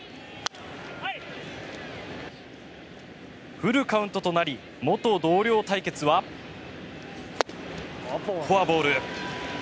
フルカウントとなり元同僚対決はフォアボール。